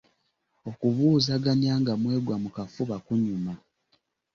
Okubuuzaganya nga mwegwa mu kafuba kunyuma.